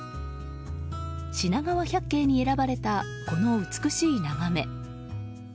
しながわ百景に選ばれたこの美しい眺め。